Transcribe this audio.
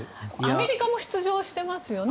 アメリカも出場してますよね。